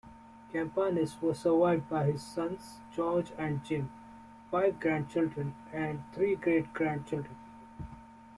Campanis was survived by his sons, George and Jim, five grandchildren and three great-grandchildren.